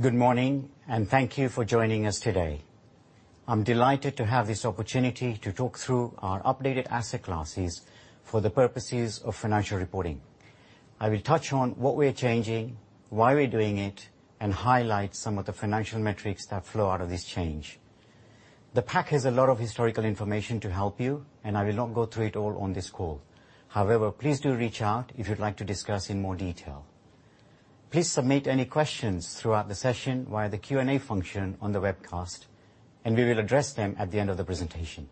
Good morning, and thank you for joining us today. I'm delighted to have this opportunity to talk through our updated asset classes for the purposes of financial reporting. I will touch on what we are changing, why we're doing it, and highlight some of the financial metrics that flow out of this change. The pack has a lot of historical information to help you, and I will not go through it all on this call. Please do reach out if you'd like to discuss in more detail. Please submit any questions throughout the session via the Q&A function on the webcast. We will address them at the end of the presentation.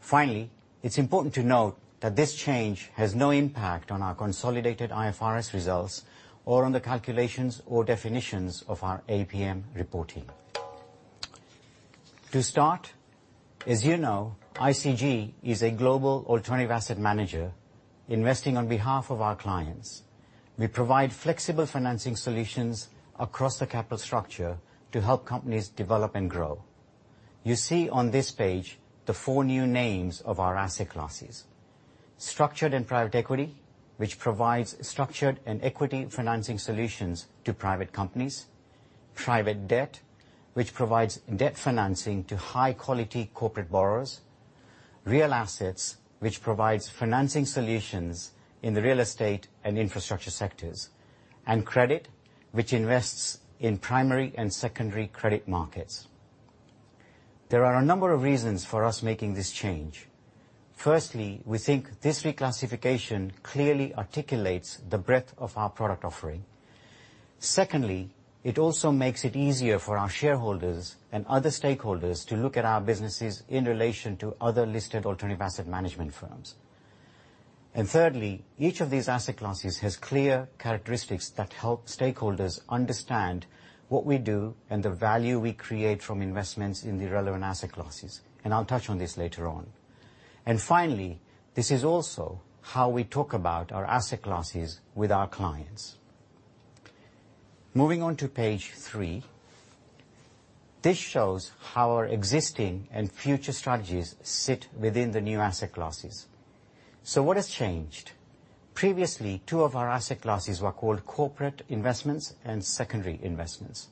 Finally, it's important to note that this change has no impact on our consolidated IFRS results or on the calculations or definitions of our APM reporting. To start, as you know, ICG is a global alternative asset manager investing on behalf of our clients. We provide flexible financing solutions across the capital structure to help companies develop and grow. You see on this page the four new names of our asset classes. Structured and private equity, which provides structured and equity financing solutions to private companies. Private debt, which provides debt financing to high-quality corporate borrowers. Real assets, which provides financing solutions in the real estate and infrastructure sectors. Credit, which invests in primary and secondary credit markets. There are a number of reasons for us making this change. Firstly, we think this reclassification clearly articulates the breadth of our product offering. Secondly, it also makes it easier for our shareholders and other stakeholders to look at our businesses in relation to other listed alternative asset management firms. Thirdly, each of these asset classes has clear characteristics that help stakeholders understand what we do and the value we create from investments in the relevant asset classes, and I'll touch on this later on. Finally, this is also how we talk about our asset classes with our clients. Moving on to page three. This shows how our existing and future strategies sit within the new asset classes. What has changed? Previously, two of our asset classes were called corporate investments and secondary investments.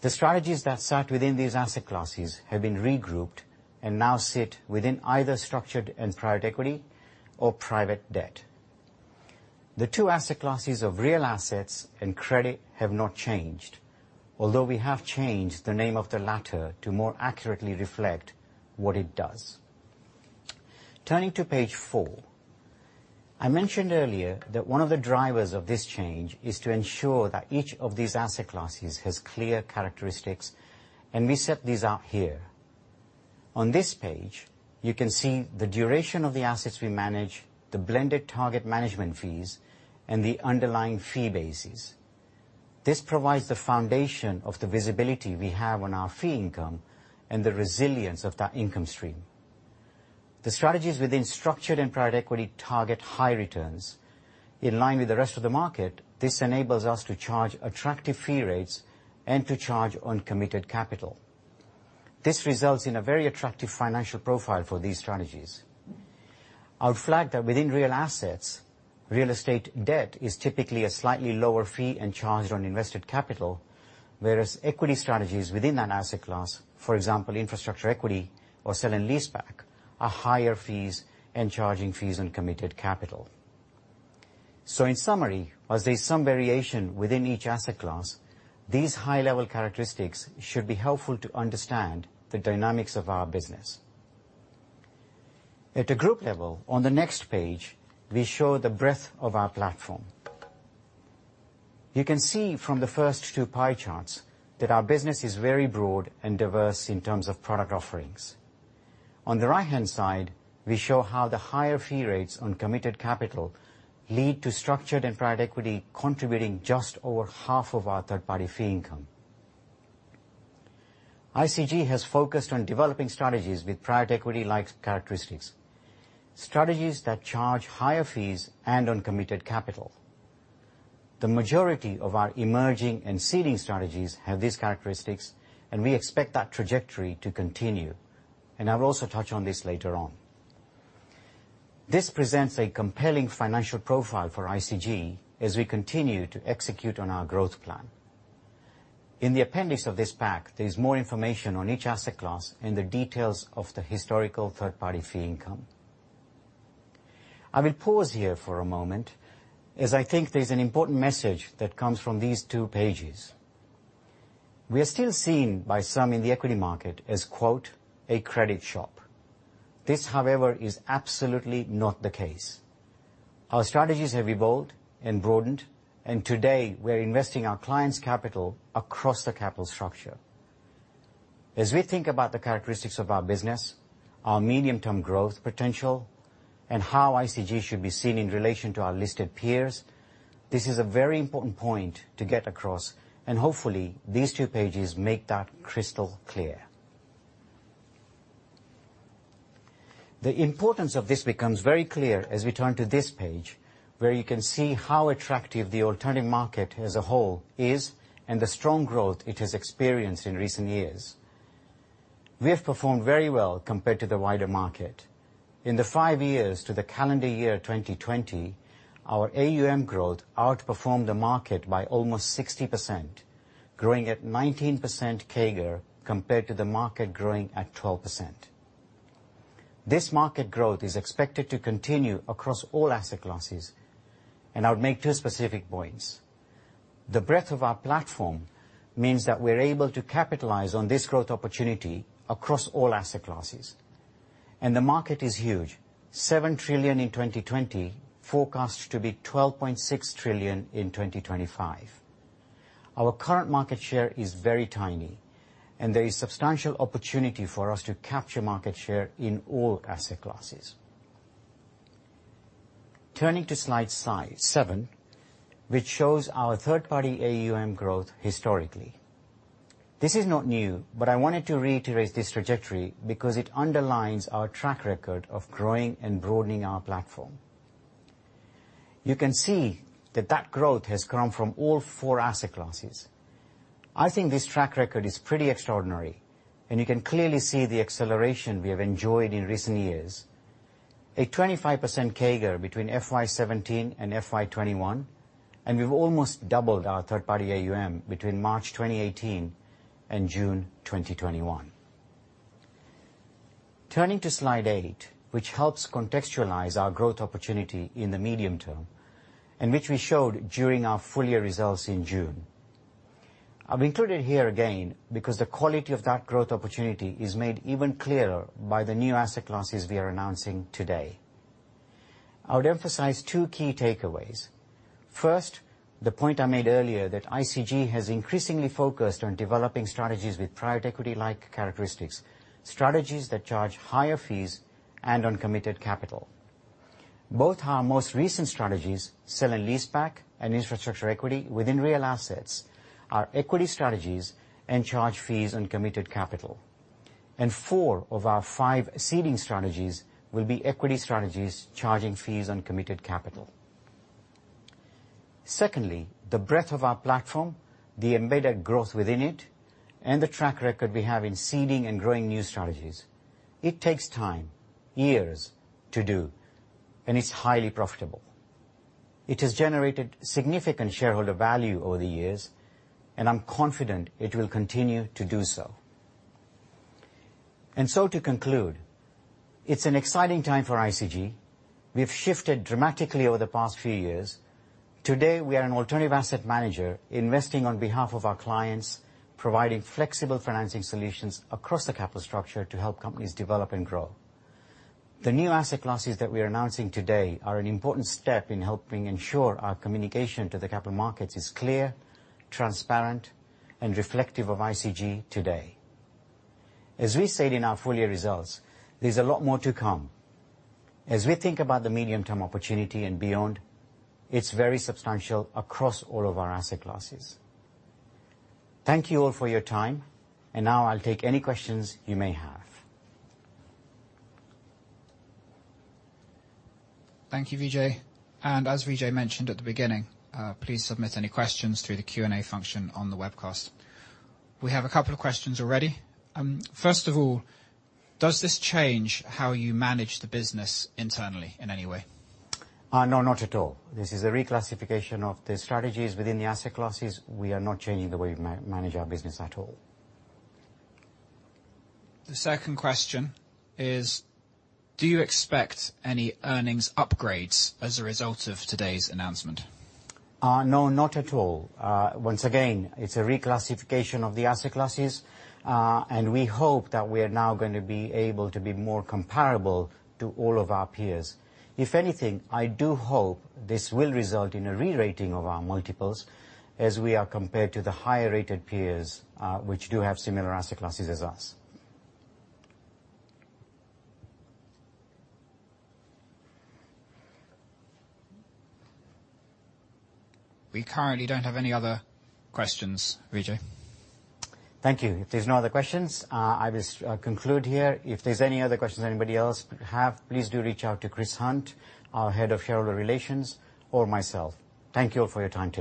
The strategies that sat within these asset classes have been regrouped and now sit within either structured and private equity or private debt. The two asset classes of real assets and credit have not changed, although we have changed the name of the latter to more accurately reflect what it does. Turning to page four. I mentioned earlier that one of the drivers of this change is to ensure that each of these asset classes has clear characteristics, and we set these out here. On this page, you can see the duration of the assets we manage, the blended target management fees, and the underlying fee bases. This provides the foundation of the visibility we have on our fee income and the resilience of that income stream. The strategies within structured and private equity target high returns. In line with the rest of the market, this enables us to charge attractive fee rates and to charge on committed capital. This results in a very attractive financial profile for these strategies. I would flag that within real assets, real estate debt is typically a slightly lower fee and charged on invested capital. Equity strategies within that asset class, for example, infrastructure equity or sale and leaseback, are higher fees and charging fees on committed capital. In summary, while there's some variation within each asset class, these high-level characteristics should be helpful to understand the dynamics of our business. At the group level, on the next page, we show the breadth of our platform. You can see from the first two pie charts that our business is very broad and diverse in terms of product offerings. On the right-hand side, we show how the higher fee rates on committed capital lead to structured and private equity contributing just over half of our third-party fee income. ICG has focused on developing strategies with private equity-like characteristics, strategies that charge higher fees and on committed capital. The majority of our emerging and seeding strategies have these characteristics, and we expect that trajectory to continue, and I will also touch on this later on. This presents a compelling financial profile for ICG as we continue to execute on our growth plan. In the appendix of this pack, there is more information on each asset class and the details of the historical third-party fee income. I will pause here for a moment, as I think there's an important message that comes from these two pages. We are still seen by some in the equity market as, quote, "a credit shop." This, however, is absolutely not the case. Our strategies have evolved and broadened, and today we're investing our clients' capital across the capital structure. As we think about the characteristics of our business, our medium-term growth potential, and how ICG should be seen in relation to our listed peers, this is a very important point to get across, and hopefully these two pages make that crystal clear. The importance of this becomes very clear as we turn to this page, where you can see how attractive the alternative market as a whole is and the strong growth it has experienced in recent years. We have performed very well compared to the wider market. In the five years to the calendar year 2020, our AUM growth outperformed the market by almost 60%, growing at 19% CAGR, compared to the market growing at 12%. This market growth is expected to continue across all asset classes, and I would make two specific points. The breadth of our platform means that we're able to capitalize on this growth opportunity across all asset classes, and the market is huge, 7 trillion in 2020, forecast to be 12.6 trillion in 2025. Our current market share is very tiny, and there is substantial opportunity for us to capture market share in all asset classes. Turning to slide seven, which shows our third-party AUM growth historically. This is not new, but I wanted to reiterate this trajectory because it underlines our track record of growing and broadening our platform. You can see that that growth has come from all four asset classes. I think this track record is pretty extraordinary, and you can clearly see the acceleration we have enjoyed in recent years. A 25% CAGR between FY 2017 and FY 2021, and we've almost doubled our third-party AUM between March 2018 and June 2021. Turning to slide eight, which helps contextualize our growth opportunity in the medium term. Which we showed during our full year results in June. I've included it here again, because the quality of that growth opportunity is made even clearer by the new asset classes we are announcing today. I would emphasize two key takeaways. First, the point I made earlier that ICG has increasingly focused on developing strategies with private equity-like characteristics, strategies that charge higher fees and on committed capital. Both our most recent strategies, sale and leaseback and infrastructure equity within real assets, are equity strategies and charge fees on committed capital. Four of our five seeding strategies will be equity strategies, charging fees on committed capital. Secondly, the breadth of our platform, the embedded growth within it, and the track record we have in seeding and growing new strategies. It takes time, years, to do, and it's highly profitable. It has generated significant shareholder value over the years, and I'm confident it will continue to do so. To conclude, it's an exciting time for ICG. We've shifted dramatically over the past few years. Today, we are an alternative asset manager investing on behalf of our clients, providing flexible financing solutions across the capital structure to help companies develop and grow. The new asset classes that we are announcing today are an important step in helping ensure our communication to the capital markets is clear, transparent, and reflective of ICG today. As we said in our full year results, there's a lot more to come. As we think about the medium term opportunity and beyond, it's very substantial across all of our asset classes. Thank you all for your time, and now I'll take any questions you may have. Thank you, Vijay. As Vijay mentioned at the beginning, please submit any questions through the Q&A function on the webcast. We have a couple of questions already. First of all, does this change how you manage the business internally in any way? No, not at all. This is a reclassification of the strategies within the asset classes. We are not changing the way we manage our business at all. The second question is, do you expect any earnings upgrades as a result of today's announcement? No, not at all. Once again, it's a reclassification of the asset classes, and we hope that we are now going to be able to be more comparable to all of our peers. If anything, I do hope this will result in a re-rating of our multiples as we are compared to the higher-rated peers, which do have similar asset classes as us. We currently don't have any other questions, Vijay. Thank you. If there's no other questions, I will conclude here. If there's any other questions anybody else have, please do reach out to Chris Hunt, our Head of Shareholder Relations, or myself. Thank you all for your time.